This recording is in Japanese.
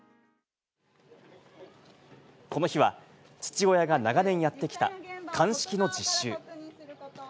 この日は、父親が長年やってきた鑑識の実習。